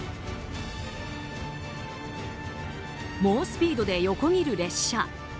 猛スピードで横切る列車。